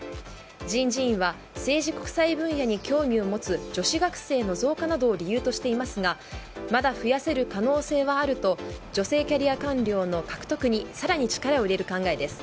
人事院は政治国際分野に興味を持つ女子学生の増加などを理由としていますがまだ増やせる可能性はあると女性キャリア官僚の獲得に更に力を入れる考えです。